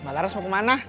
mbak laras mau ke mana